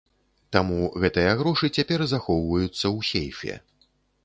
Таму гэтыя грошы цяпер захоўваюцца ў сейфе.